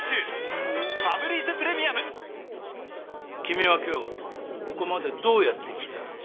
君は今日ここまでどうやって来た？